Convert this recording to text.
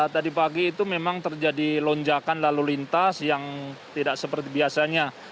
tadi pagi itu memang terjadi lonjakan lalu lintas yang tidak seperti biasanya